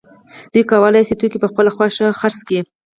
دوی کولای شو توکي په خپله خوښه وپلوري